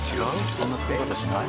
こんな作り方しない？